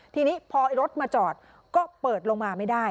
ทีนี้พอรถมาจอดก็เปิดลงมาไม่ได้